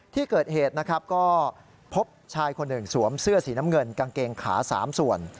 ที่เกิดเหตุนะครับก็พบชายคนหนึ่งสวมเสื้อสีน้ำเงินกางเกงขา๓ส่วน